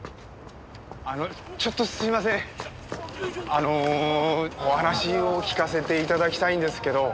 あのお話を聞かせて頂きたいんですけど。